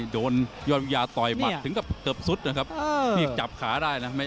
โดนยอดพิทำเต๋วเงียบนี้ถึงกับเกิบสุดนะครับจับขาได้นะ